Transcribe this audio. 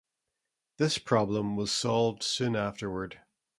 This problem was solved soon afterward.